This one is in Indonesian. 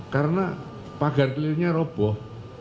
karena pagar kelirunya roboh